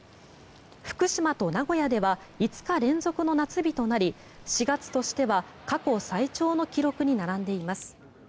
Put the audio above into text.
福島と名古屋では５日連続の夏日となり４月としては過去最長の記録に並んでいます。